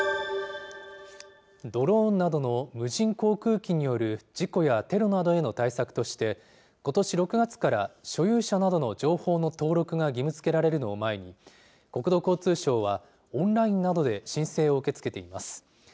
ドローンなどの無人航空機による事故やテロなどへの対策として、ことし６月から所有者などの情報の登録が義務づけられるのを前に、国土交通省はオンラインなどで申請を受け付けています。